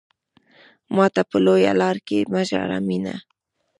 ماته په لويه لار کې مه ژاړه مينه.